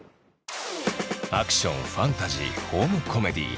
アクションファンタジーホームコメディー。